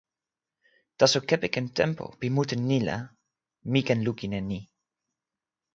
taso kepeken tenpo pi mute ni la, mi ken lukin e ni.